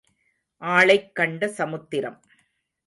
ஆளைக் கண்ட சமுத்திரம்.